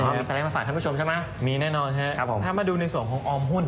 มีสไลด์มาฝากท่านผู้ชมใช่ไหมมีแน่นอนครับผมถ้ามาดูในส่วนของออมหุ้น